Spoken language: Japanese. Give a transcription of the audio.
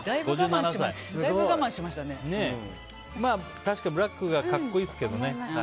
確かにブラック格好いいですけどね。